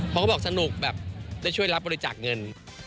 เขาก็บอกสนุกแบบได้ช่วยรับบริจาคเงิน